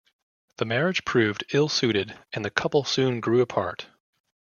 The marriage proved ill-suited and the couple soon grew apart.